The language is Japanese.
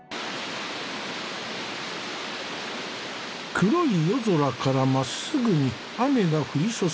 黒い夜空からまっすぐに雨が降り注いでいる。